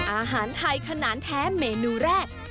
อาหารไทยขนาดแท้เมนูแรก